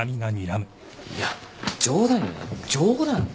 いや冗談だよ冗談。